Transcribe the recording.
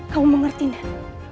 kamu mengerti nak